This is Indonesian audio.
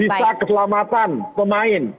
bisa keselamatan pemain